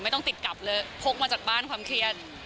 ไม่ต้องติดกลับเลยพกมาจากบ้านความเครียด